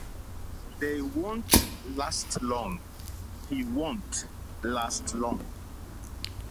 They won't last long. He won't last long.